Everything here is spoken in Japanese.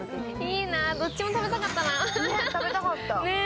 いいなどっちも食べたかったな。